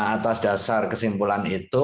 atas dasar kesimpulan itu